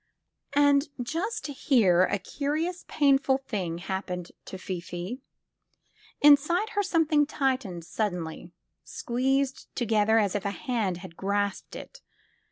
And just here a curious, painful thing happened to Fifi. Inside her something tightened suddenly, squeezed together as if a hand had grasped it.